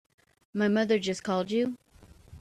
My mother just called you?